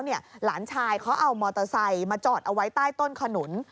หลานชายเขาเอามอเตอร์ไซค์มาจอดเอาไว้ใต้ต้นขนุน